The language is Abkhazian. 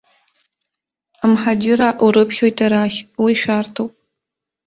Амҳаџьыраа урыԥхьоит арахь, уи шәарҭоуп!